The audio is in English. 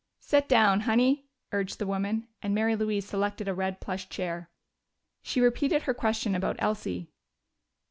"Set down, Honey," urged the woman, and Mary Louise selected a red plush chair. She repeated her question about Elsie.